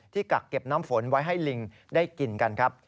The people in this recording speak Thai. กักเก็บน้ำฝนไว้ให้ลิงได้กินกันครับ